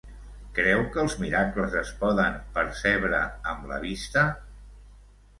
Creu que els miracles es poden percebre amb la vista?